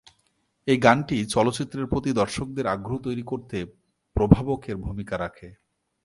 এই গানটি চলচ্চিত্রের প্রতি দর্শকদের আগ্রহ তৈরী করতে প্রভাবকের ভূমিকা রাখে।